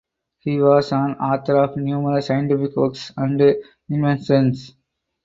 He was an author of numerous scientific works and inventions.